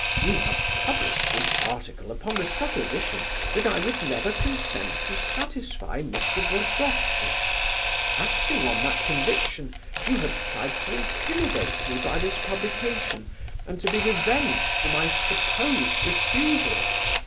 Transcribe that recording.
"You have published this article upon the supposition that I would never consent to satisfy Mr. Burdovsky. Acting on that conviction, you have tried to intimidate me by this publication and to be revenged for my supposed refusal.